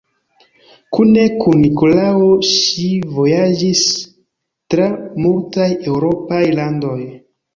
Kune kun Nikolao ŝi vojaĝis tra multaj eŭropaj landoj.